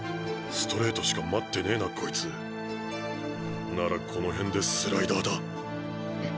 ストレートしか待ってねえなこいつならこの辺でスライダーだ。